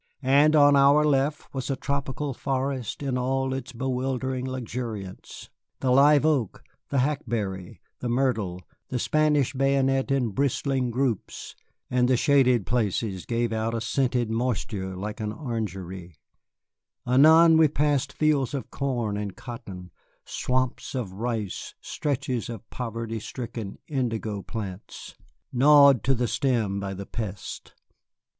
And on our left was a tropical forest in all its bewildering luxuriance, the live oak, the hackberry, the myrtle, the Spanish bayonet in bristling groups, and the shaded places gave out a scented moisture like an orangery; anon we passed fields of corn and cotton, swamps of rice, stretches of poverty stricken indigo plants, gnawed to the stem by the pest.